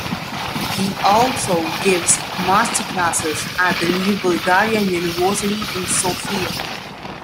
He also gives master classes at the New Bulgarian University in Sofia.